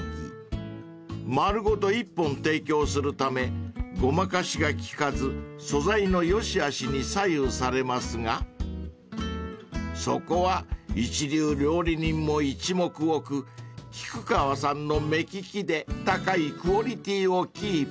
［丸ごと１本提供するためごまかしが利かず素材の良しあしに左右されますがそこは一流料理人も一目置く菊川さんの目利きで高いクオリティーをキープ］